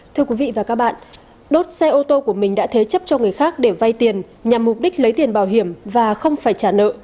thưa quý vị và các bạn đốt xe ô tô của mình đã thế chấp cho người khác để vay tiền nhằm mục đích lấy tiền bảo hiểm và không phải trả nợ